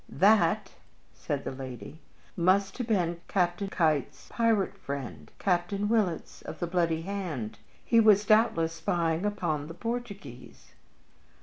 "That," said the lady, "must have been Captain Keitt's pirate partner Captain Willitts, of The Bloody Hand. He was doubtless spying upon the Portuguese."